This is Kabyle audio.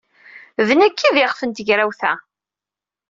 D nekk ay d iɣef n tegrawt-a.